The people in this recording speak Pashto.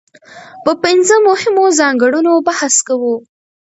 په پنځه مهمو ځانګړنو بحث کوو.